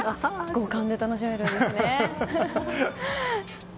五感で楽しめるんですね。